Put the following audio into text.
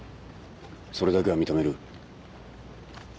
それだけは認める。